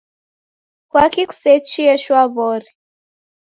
Kwaki kusechie shwaw'ori?